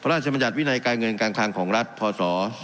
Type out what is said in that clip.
มัญญัติวินัยการเงินการคังของรัฐพศ๒๕๖